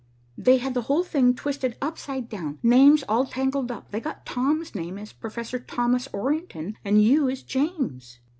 "They had the whole thing twisted upside down; names all tangled up. They got Tom's name as Professor Thomas Orrington, and you as James."